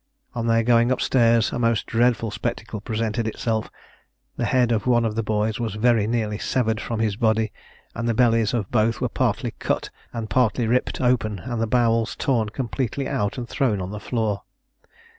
On their going up stairs, a most dreadful spectacle presented itself: the head of one of the boys was very nearly severed from his body, and the bellies of both were partly cut and partly ripped open, and the bowels torn completely out and thrown on the floor.